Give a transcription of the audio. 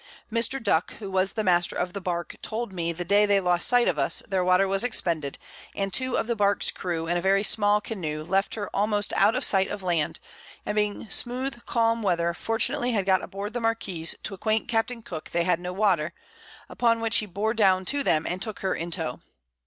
Mr. Duck, who was Master of the Bark, told me the Day they lost sight of us their Water was expended, and two of the Bark's Crew in a very small Canoe left her almost out of sight of Land, and being smooth calm Weather, fortunately got aboard the Marquiss to acquaint Capt. Cooke they had no Water, upon which he bore down to them, and took her in Towe.